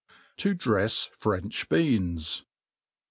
To drefs French Beans.